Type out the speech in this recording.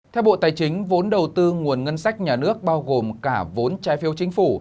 theo bộ tài chính vốn đầu tư nguồn ngân sách nhà nước bao gồm cả vốn trai phiêu chính phủ